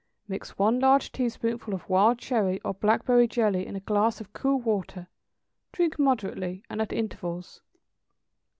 = Mix one large teaspoonful of wild cherry or blackberry jelly in a glass of cool water; drink moderately, and at intervals.